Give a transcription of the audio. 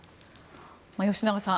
吉永さん